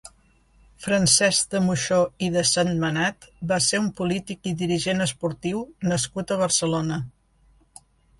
Francesc de Moxó i de Sentmenat va ser un polític i dirigent esportiu nascut a Barcelona.